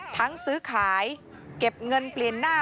ซื้อขายเก็บเงินเปลี่ยนหน้า